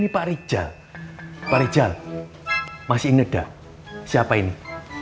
pak rizal masih inget nggak siapa ini